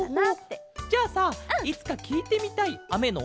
じゃあさいつかきいてみたいあめのおとってあるケロ？